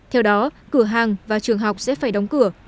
theo đó cửa hàng và trường học sẽ phải đóng cửa